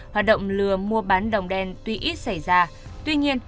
hoạt động lừa mua bán đồng đen tuy ít xảy ra tuy nhiên